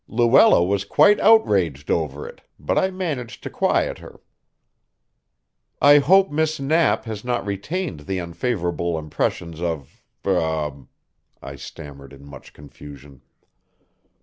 Luella was quite outraged over it, but I managed to quiet her." "I hope Miss Knapp has not retained the unfavorable impressions of er " I stammered in much confusion.